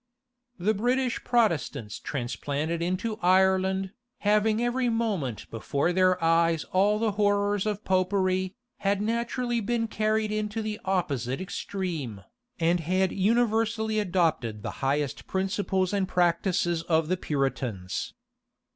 The British Protestants transplanted into Ireland, having every moment before their eyes all the horrors of Popery, had naturally been carried into the opposite extreme, and had universally adopted the highest principles and practices of the Puritans.